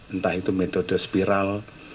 entah itu metode spiral